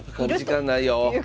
時間ないよ。